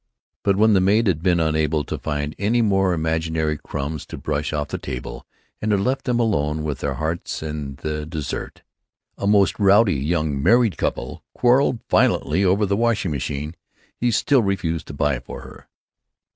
But when the maid had been unable to find any more imaginary crumbs to brush off the table, and had left them alone with their hearts and the dessert, a most rowdy young "married couple" quarreled violently over the washing machine he still refused to buy for her.